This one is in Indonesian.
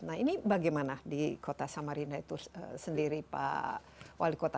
nah ini bagaimana di kota samarinda itu sendiri pak wali kota